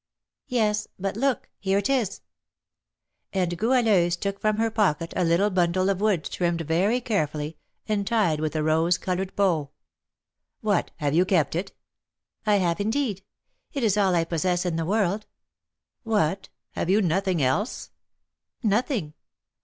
"Yes; but look, here it is." And Goualeuse took from her pocket a little bundle of wood trimmed very carefully, and tied with a rose coloured bow. "What, have you kept it?" "I have, indeed; it is all I possess in the world." "What, have you nothing else?" "Nothing."